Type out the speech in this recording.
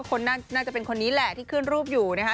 คนน่าจะเป็นคนนี้แหละที่ขึ้นรูปอยู่นะคะ